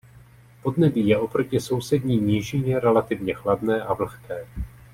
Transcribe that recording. Podnebí je oproti sousední nížině relativně chladné a vlhké.